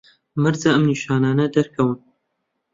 مەرجە ئەم نیشانانە دەرکەون